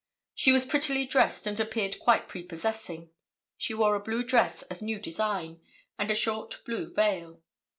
She was prettily dressed and appeared quite prepossessing. She wore a blue dress of new design, and a short blue veil.